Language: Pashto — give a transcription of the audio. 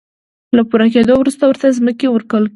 له پوره کېدو وروسته ورته ځمکې ورکړل شوې.